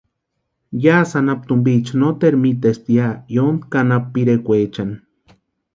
Yásï anapu tumpiecha noteru miteaspti ya yóntki anapu pirekwaechani.